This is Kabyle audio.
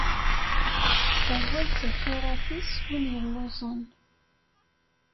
Isseṛway s lxirat-is win yelluẓen.